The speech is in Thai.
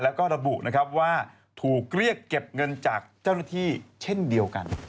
แล้วก็ระบุนะครับว่าถูกเรียกเก็บเงินจากเจ้าหน้าที่เช่นเดียวกัน